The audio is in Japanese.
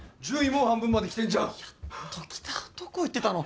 もう半分まできてんじゃんやっと来たどこ行ってたの？